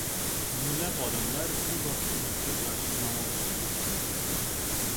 Minglab odamlar Kuba hukumatiga qarshi namoyishlarga chiqmoqda